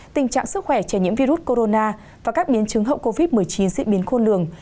tình trạng sức khỏe trẻ nhiễm virus corona và các biến chứng hậu covid một mươi chín diễn biến khôn lường